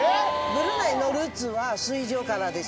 ブルネイのルーツは水上からです。